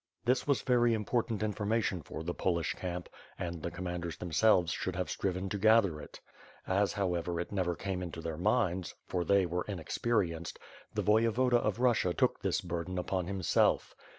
This was very important in formation for the Polish camp, and the Commanders them selves should have striven to gather it. As, however, it never came into their minds, for they were inexperienced, the Voye voda of Russia took his burden upon himself.